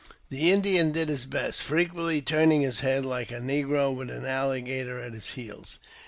The Indian did his best, frequently turning his head, like a negro with an alligator at his heels.